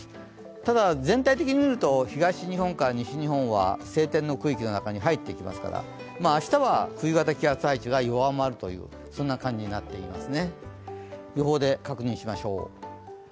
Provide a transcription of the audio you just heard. ただ、全体的に見ると東日本から西日本は晴天の区域の中に入ってきますから明日は冬型気圧配置が弱まるという感じになっていてますね。